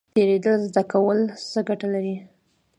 تیریدل زده کول څه ګټه لري؟